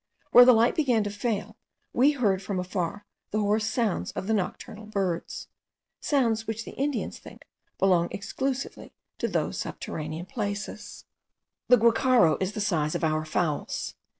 Where the light began to fail, we heard from afar the hoarse sounds of the nocturnal birds; sounds which the natives think belong exclusively to those subterraneous places. The guacharo is of the size of our fowls.